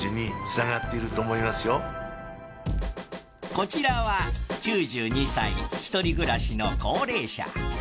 こちらは９２歳ひとり暮らしの高齢者。